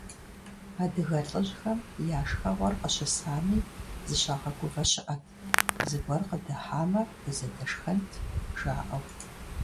Адыгэ лӀыжьхэм я шхэгъуэр къыщысами, зыщагъэгувэ щыӀэт, «зыгуэр къыдыхьамэ, дызэдэшхэнт», - жаӀэу.